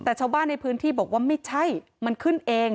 แต่ชาวบ้านในพื้นที่บอกว่าไม่ใช่มันขึ้นเอง